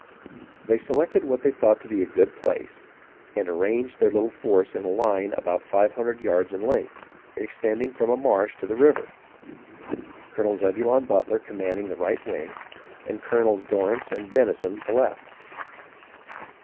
They selected what they thought to be a good place, and arranged their little force in a line about five hundred yards in length, extending from a marsh to the river, — Colonel Zebulon Butler commanding the right wing and Colonels Dorrance and Denison the left.